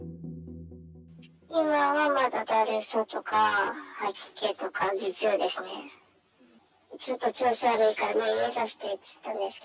今はまだだるさとか、吐き気とか、頭痛ですね。